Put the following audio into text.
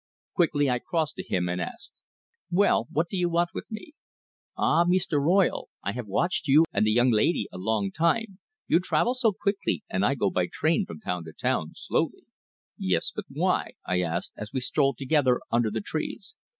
Quickly I crossed to him, and asked: "Well, what do you want with me?" "Ah, Mee ster Royle! I have watched you and the young laidee a long time. You travel so quickly, and I go by train from town to town slowly." "Yes, but why?" I asked, as we strolled together under the trees.